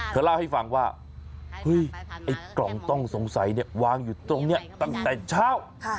เธอเล่าให้ฟังว่าเฮ้ยไอ้กล่องต้องสงสัยเนี่ยวางอยู่ตรงนี้ตั้งแต่เช้า